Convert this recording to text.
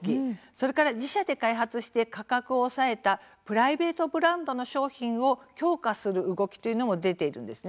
それから自社で開発して価格を抑えたプライベートブランドの商品を強化する動きも出ているんです。